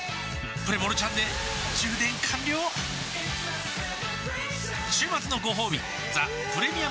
プレモルちゃんで充電完了週末のごほうび「ザ・プレミアム・モルツ」